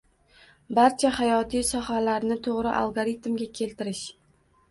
barcha hayotiy sohalarni to‘g‘ri algoritmga keltirish